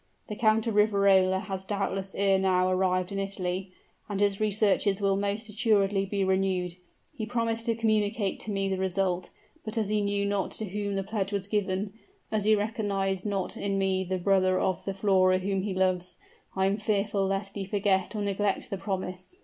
The Count of Riverola has doubtless ere now arrived in Italy; and his researches will most assuredly be renewed. He promised to communicate to me the result, but as he knew not to whom that pledge was given as he recognized not in me the brother of the Flora whom he loves I am fearful lest he forget or neglect the promise.